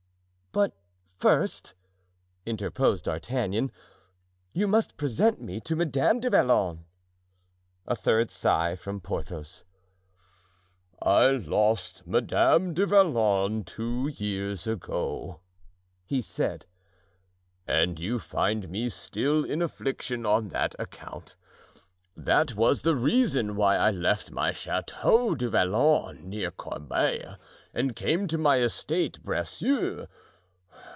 "But, first," interposed D'Artagnan, "you must present me to Madame du Vallon." A third sigh from Porthos. "I lost Madame du Vallon two years ago," he said, "and you find me still in affliction on that account. That was the reason why I left my Chateau du Vallon near Corbeil, and came to my estate, Bracieux.